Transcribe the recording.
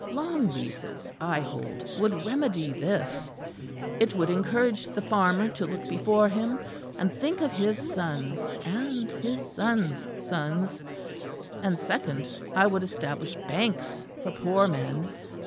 Long leases, I hold, would remedy this. It would encourage the farmer to look before him and think of his sons and his sons' sons. And second, I would establish banks for poor men.